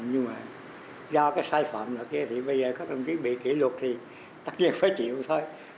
nhưng mà do cái sai phạm luật kia thì bây giờ các đồng chí bị kỷ luật thì tất nhiên phải chịu thôi